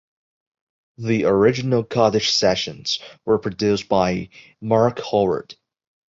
The original cottage sessions were produced by Mark Howard.